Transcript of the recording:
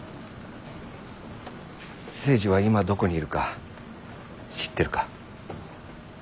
誠司は今どこにいるか知ってるか？